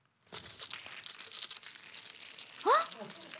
あっ！